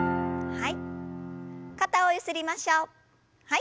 はい。